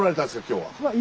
今日は。